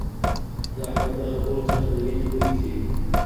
د احمد له خبرو څخه د وينې بوي ځي